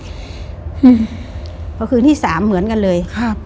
เพราะคือที่๓เหมือนกันเลย